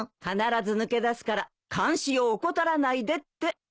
必ず抜け出すから監視を怠らないでって。